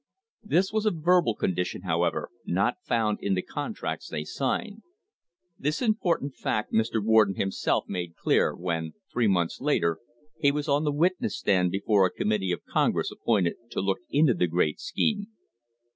This was a verbal condition, however, not found in the contracts they signed. This important fact Mr. Warden himself made clear when three months later he was on the witness stand before a committee of Congress appointed to look into the great scheme.